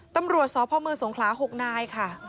ตำรวจสพเมืองสงขลา๖นายค่ะ